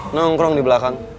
nongkrong di belakang